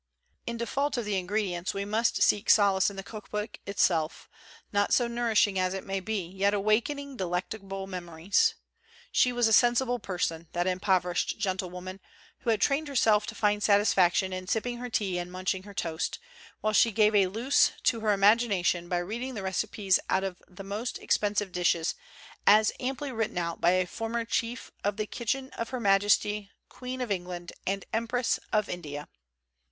In default of the ingredients, we must seek solace in the cook book itself, not so nourishing it may be, yet awakening delectable memories. She was a sensible person, that impoverished gentlewoman, who had trained herself to find satisfaction in sipping her tea and munching her toast, while she gave a loose to her imagination by reading the recipes of the most expensive dishes as amply written out by a former chief of the kitchen of Her Majesty, Queen of England and Empress of India.